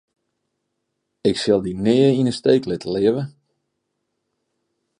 Ik sil dy nea yn 'e steek litte, leave.